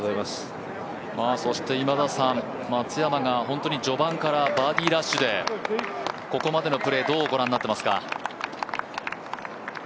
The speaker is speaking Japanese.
そして松山が序盤からバーディーラッシュで、ここまでのプレー、どう御覧になっていますか。